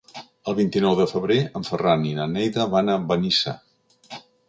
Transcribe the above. El vint-i-nou de febrer en Ferran i na Neida van a Benissa.